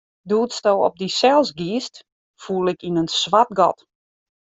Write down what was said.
Doe'tsto op dysels giest, foel ik yn in swart gat.